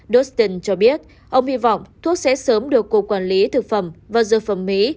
dostin cho biết ông hy vọng thuốc sẽ sớm được cục quản lý thực phẩm và dược phẩm mỹ